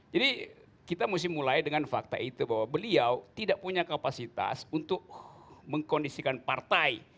jadi kita mesti mulai dengan fakta itu bahwa beliau tidak punya kapasitas untuk mengkondisikan partai